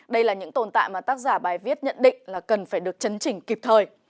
đây là những tồn tại mà tác giả bài viết nhận định là cần phải được chấn chỉnh kịp thời